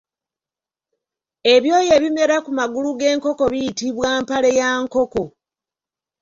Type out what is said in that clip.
Ebyoya ebimera ku magulu g’enkoko biyitibwa mpale ya nkoko.